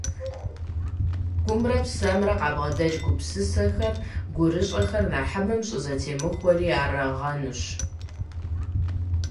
Гумрэ псэмрэ къабгъэдэкӀ гупсысэхэр, гурыщӀэхэр нэхъыбэм щӀызэтемыхуэри арагъэнущ.